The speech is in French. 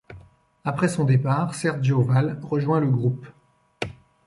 Après son départ, Sergio Vall rejoint le groupe.